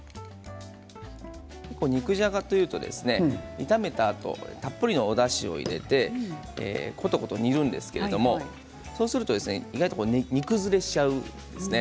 肉じゃがというとですね炒めたあとたっぷりのおだしを入れてことこと煮るんですけれどそうすると意外と煮崩れしちゃうんですね。